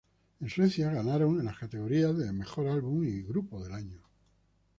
En Suecia ganaron en las categorías a Mejor Álbum, y Grupo del Año.